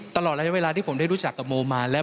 ตลอดระยะเวลาที่ผมได้รู้จักกับโมมาแล้ว